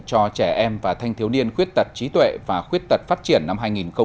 cho trẻ em và thanh thiếu niên khuyết tật trí tuệ và khuyết tật phát triển năm hai nghìn một mươi chín